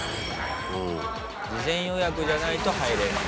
事前予約じゃないと入れない。